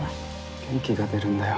元気が出るんだよ。